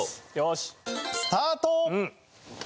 スタート！